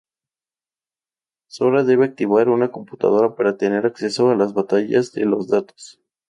Sora debe activar una computadora para tener acceso a las batallas de los datos.